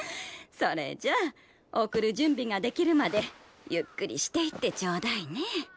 それじゃ送る準備ができるまでゆっくりしていってちょうだいね。